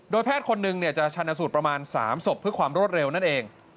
แพทย์คนหนึ่งจะชันสูตรประมาณ๓ศพเพื่อความรวดเร็วนั่นเอง